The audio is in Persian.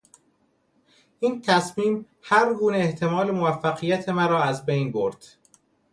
این تصمیم هرگونه احتمال موفقیت مرا ازبین برد.